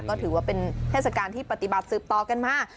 ก็ถือว่าเป็นเทศกาลที่ปฏิบัติสืบต่อกันมา